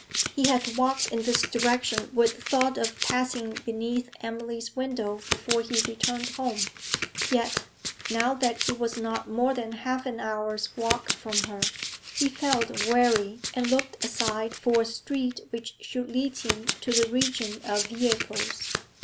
He had walked in this direction with the thought of passing beneath Emily's window before he returned home, yet, now that he was not more than half an hour's walk from her, he felt weary and looked aside for a street which should lead him to the region of vehicles.